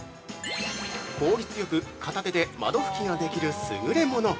効率よく片手で窓拭きができる優れもの！